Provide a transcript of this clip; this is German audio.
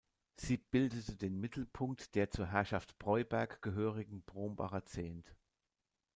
Sie bildete den Mittelpunkt der zur Herrschaft Breuberg gehörigen Brombacher Zent.